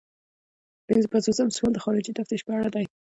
پنځه پنځوسم سوال د خارجي تفتیش په اړه دی.